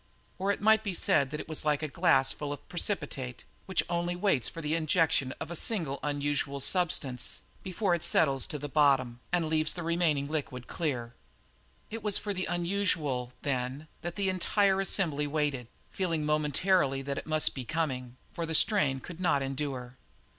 Or it might be said that it was like a glass full of precipitate which only waits for the injection of a single unusual substance before it settles to the bottom and leaves the remaining liquid clear. It was for the unusual, then, that the entire assembly waited, feeling momentarily that it must be coming, for the strain could not endure.